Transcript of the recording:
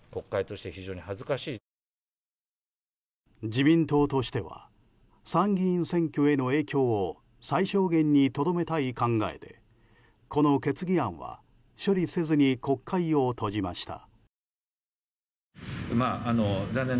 自民党としては参議院選挙への影響を最小限にとどめたい考えでこの決議案は処理せずに国会を閉じました。